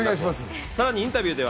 さらにインタビューでは